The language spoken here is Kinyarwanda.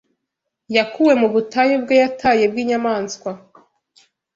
Yakuwe mu butayu bwe yataye Bwinyamaswa